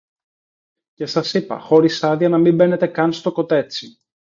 Και σας είπα, χωρίς άδεια να μην μπαίνετε καν στο κοτέτσι